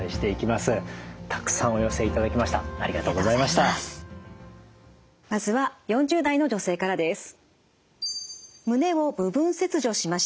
まずは４０代の女性からです。